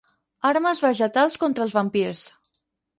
Armes vegetals contra els vampirs.